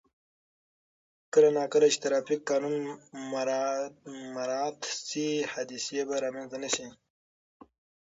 کله نا کله چې ترافیک قانون مراعت شي، حادثې به رامنځته نه شي.